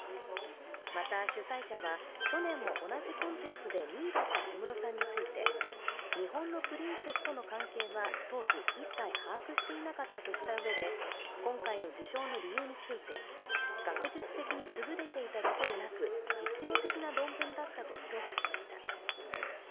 また主催者は、去年も同じコンテストで２位だった小室さんについて、日本のプリンセスとの関係は当時、一切把握していなかったとしたうえで、今回の受賞の理由について学術的に優れていただけでなく、実用的な論文だったと評価しました。